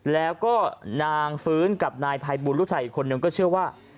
แล้วก็นางฟื้นกับนายภัยบูลลูกชายอีกคนนึงก็เชื่อว่า